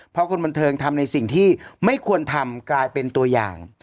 เพราะคนบันเทิงทำในสิ่งที่ไม่ควรทำกลายเป็นตัวอย่าง